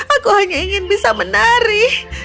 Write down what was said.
aku hanya ingin bisa menari